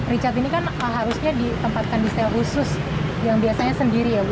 richard ini kan harusnya ditempatkan di sel khusus yang biasanya sendiri ya bu